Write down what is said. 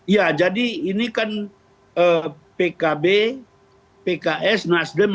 ya jadi ini kan pkb pks nasdem